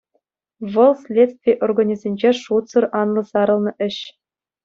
Вӑл — следстви органӗсенче шутсӑр анлӑ сарӑлнӑ ĕç.